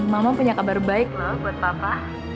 mama punya kabar baik loh buat papa